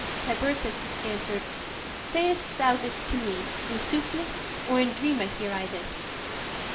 " Tiburce answered, "Say'st thou this to me In soothness, or in dreame hear I this?"